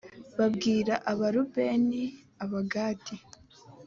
babwira l abarubeni abagadi